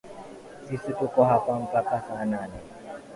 Sisi tuko hapa mpaka saa nane.